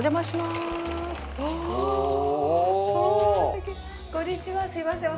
すいません